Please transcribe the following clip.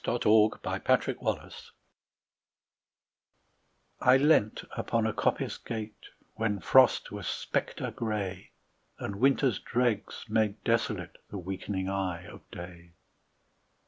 Thomas Hardy The Darkling Thrush I LEANT upon a coppice gate, When Frost was spectre gray, And Winter's dregs made desolate The weakening eye of day.